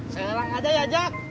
serang aja ya jak